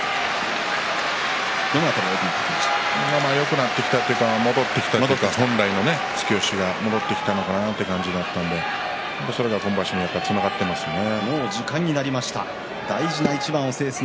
よくなってきたというか戻ってきたというか本来の突き押しが戻ってきたなとそれが今場所につながっていますね。